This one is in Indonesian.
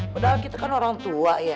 padahal kita kan orang tua ya